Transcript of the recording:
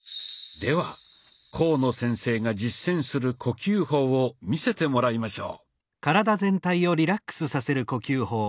では甲野先生が実践する呼吸法を見せてもらいましょう。